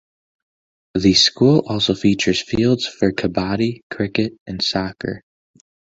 The school also features fields for kabaddi, cricket, and soccer.